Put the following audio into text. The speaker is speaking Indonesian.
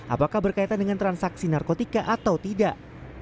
apakah berkaitan dengan transaksi narkotika atau tidak